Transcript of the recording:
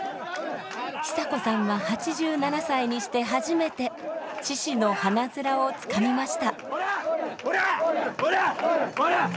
寿子さんは８７歳にして初めて獅子の鼻面をつかみました。